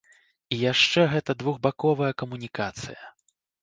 І яшчэ гэта двухбаковая камунікацыя.